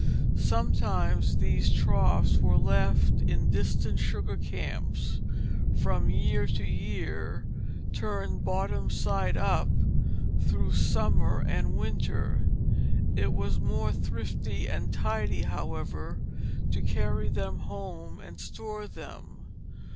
Sometimes these troughs were left in distant sugar camps from year to year, turned bottom side up, through the summer and winter. It was more thrifty and tidy, however, to carry them home and store them.